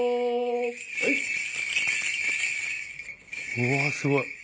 うわすごい。